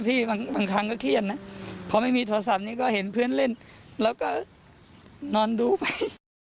เพราะไม่มีโทรศัพท์นี่ก็เห็นเพื่อนเล่นแล้วก็นอนดูไป